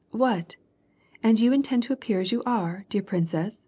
" What ? and you intend to appear as you are, dear prin cess